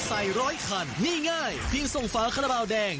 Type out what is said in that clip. ร้อยคันนี่ง่ายเพียงส่งฝาคาราบาลแดง